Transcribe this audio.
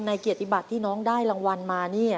เกียรติบัติที่น้องได้รางวัลมานี่